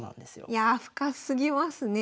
いやあ深すぎますね。